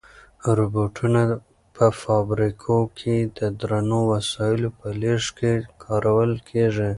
روبوټونه په فابریکو کې د درنو وسایلو په لېږد کې کارول کیږي.